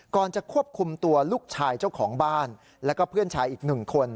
จะควบคุมตัวลูกชายเจ้าของบ้านแล้วก็เพื่อนชายอีกหนึ่งคน